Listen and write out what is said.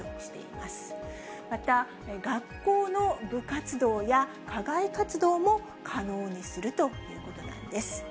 また、学校の部活動や課外活動も可能にするということなんです。